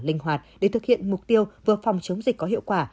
linh hoạt để thực hiện mục tiêu vừa phòng chống dịch có hiệu quả